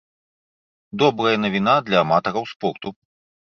Добрая навіна для аматараў спорту.